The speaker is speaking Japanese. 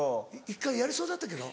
１回やりそうだったけど？